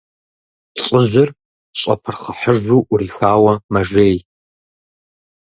Лӏыжьыр щӀэпырхъыхьыжу Ӏурихауэ мэжей.